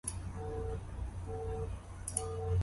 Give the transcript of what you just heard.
Από πού έρχεσαι και είσαι έτσι λασπωμένος;